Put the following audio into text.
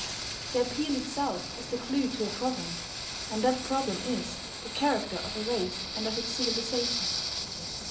The appeal itself is the clue to a problem; and that problem is the character of a race and of its civilization.